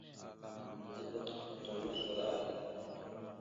Mbiyez tapafaŋva ara maslaɗa adak.